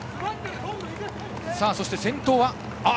そして先頭は。